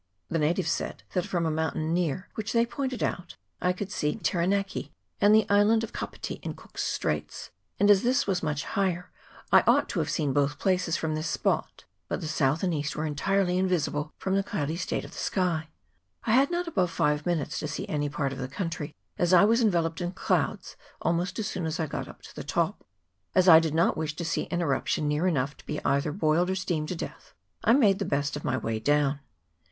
The natives said that from a mountain near, which they pointed out, I could see Taranaki and the island of Kapiti, in Cook's Straits ; and as this was much higher, I ought to have seen both places from this spot, but the south and east were entirely invisible from the cloudy state of the sky. I had not above five minutes to see any part of the country, as I was enveloped in clouds almost as soon as I got up to the top. As I did not wish to see an eruption near enough to be either boiled or steamed to death, I made the best of my way down.